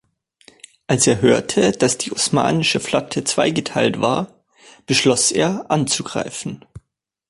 Als er hörte, dass die osmanische Flotte zweigeteilt war, beschloss er, anzugreifen.